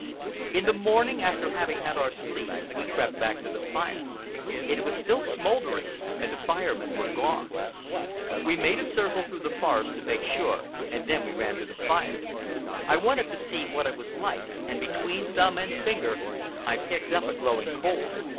In the morning, after having had our sleep, we crept back to the fire. It was still smouldering, and the Fire Men were gone. We made a circle through the forest to make sure, and then we ran to the fire. I wanted to see what it was like, and between thumb and finger I picked up a glowing coal.